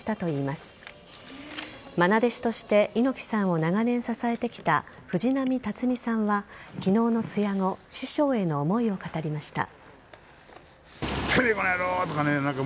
まな弟子として猪木さんを長年支えてきた藤波辰爾さんは昨日の通夜後師匠への思いを語りました。